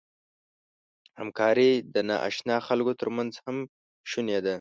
همکاري د ناآشنا خلکو تر منځ هم شونې ده.